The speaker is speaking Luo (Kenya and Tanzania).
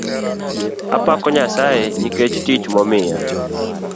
Apako Nyasaye nikech tich momiya